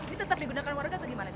ini tetap digunakan warga atau gimana